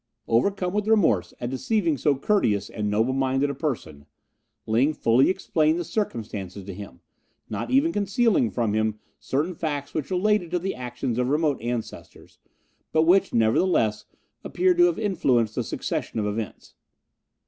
Overcome with remorse at deceiving so courteous and noble minded a person, Ling fully explained the circumstances to him, not even concealing from him certain facts which related to the actions of remote ancestors, but which, nevertheless, appeared to have influenced the succession of events.